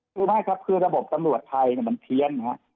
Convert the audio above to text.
ก็คือมายครับคือระบบตำรวจไทยมันเพี้ยนฮะ